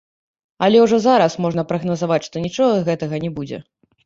Але ўжо зараз можна прагназаваць што нічога гэтага не будзе.